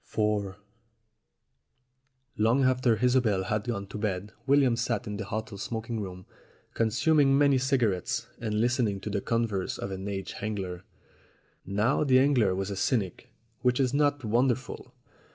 IV LONG after Isobel had gone to bed William sat in the hotel smoking room consuming many cigarettes and listening to the converse of an aged angler. Now the angler was a cynic, which is not wonderful.